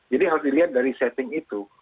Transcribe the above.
jadi harus dilihat dari setting itu